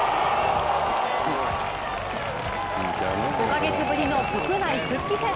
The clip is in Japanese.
５か月ぶりの国内復帰戦。